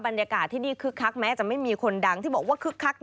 บรรยากาศที่นี่คึกคักแม้จะไม่มีคนดังที่บอกว่าคึกคัก